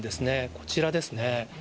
こちらですね。